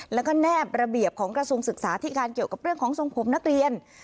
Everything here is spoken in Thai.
แล้วก็แนบระเบียบของกระทรวงศึกษาที่การเกี่ยวกับเรื่องของทรงผมนักเรียน